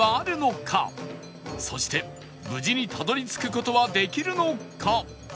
そして無事にたどり着く事はできるのか？